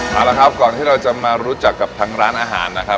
เอาละครับก่อนที่เราจะมารู้จักกับทางร้านอาหารนะครับ